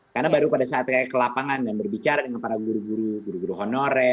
karena baru pada saatnya ke lapangan dan berbicara dengan para guru guru guru guru honorer kepala sekolah